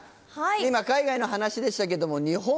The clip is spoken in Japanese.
今海外の話でしたけども。